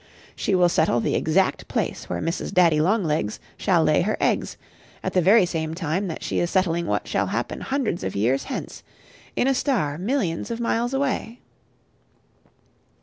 She will settle the exact place where Mrs. Daddy long legs shall lay her eggs, at the very same time that she is settling what shall happen hundreds of years hence in a stair millions of miles away.